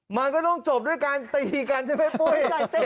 มันก็ต้องจบด้วยการตีกันใช่ไหมปุ้ย